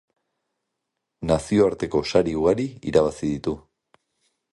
Nazioarteko sari ugari irabazi ditu.